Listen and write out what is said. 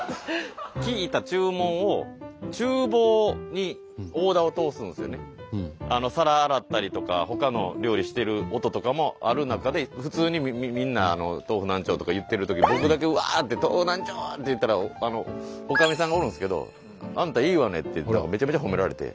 聞いた注文を皿洗ったりとかほかの料理してる音とかもある中で普通にみんな「豆腐何丁」とか言ってるときに僕だけうわ！って「豆腐何丁！」って言ったらおかみさんがおるんですけど「あんたいいわね」ってめちゃめちゃ褒められて。